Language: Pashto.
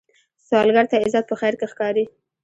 سوالګر ته عزت په خیر کې ښکاري